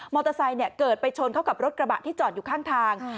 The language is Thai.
มอเตอร์ไซค์เกิดไปชนเข้ากับรถกระบะที่จอดอยู่ข้างทาง